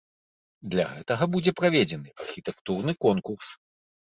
Для гэтага будзе праведзены архітэктурны конкурс.